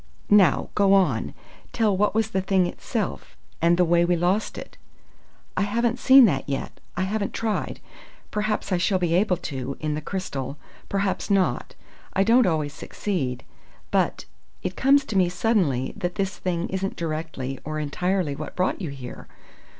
"Now, go on: tell what was the thing itself and the way we lost it." "I haven't seen that yet. I haven't tried. Perhaps I shall be able to, in the crystal; perhaps not. I don't always succeed. But it comes to me suddenly that this thing isn't directly or entirely what brought you here?"